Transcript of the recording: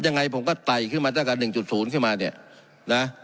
ยังไงผมก็ไตขึ้นมาจากกัน๑๐ขึ้นมาเนี่ยนะ